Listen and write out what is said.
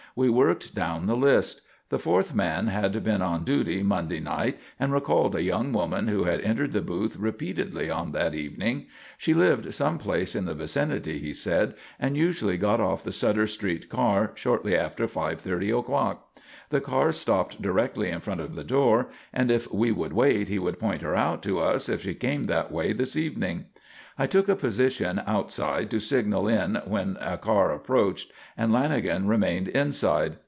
We worked down the list. The fourth man had been on duty Monday night and recalled a young woman who had entered the booth repeatedly on that evening. She lived some place in the vicinity, he said, and usually got off the Sutter Street car shortly after 5.30 o'clock. The car stopped directly in front of the door, and if we would wait he would point her out to us if she came that way this evening. I took a position outside to signal in when a car approached and Lanagan remained inside.